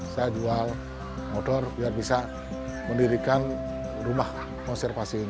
saya jual motor biar bisa mendirikan rumah konservasi ini